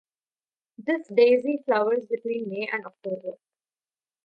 This daisy flowers between May and October.